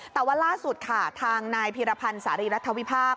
แต่ว่าล่าสุดค่ะทางนายพีรพันธ์สารีรัฐวิพากษ์